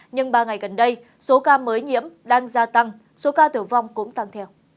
nhưng ba ngày gần đây số ca mới nhiễm đang gia tăng số ca tử vong cũng tăng theo